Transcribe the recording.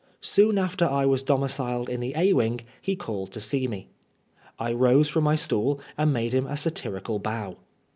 Soon after I was domiciled in the A wing he called to see me. I rose from my stool and made him a satirical bow.